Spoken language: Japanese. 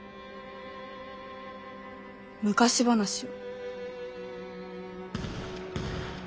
昔話を。